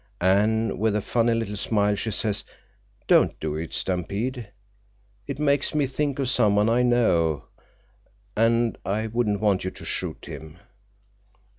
An' with a funny little smile she says: 'Don't do it, Stampede. It makes me think of someone I know—and I wouldn't want you to shoot him.